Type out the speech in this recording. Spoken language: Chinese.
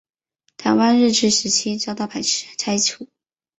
台湾日治时期遭到拆除。